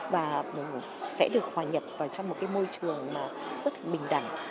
và sẽ được hòa nhập vào trong một môi trường rất bình đẳng